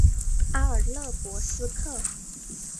阿尔勒博斯克。